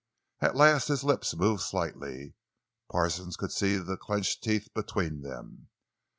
At last his lips moved slightly; Parsons could see the clenched teeth between them.